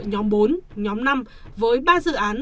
nhóm bốn nhóm năm với ba dự án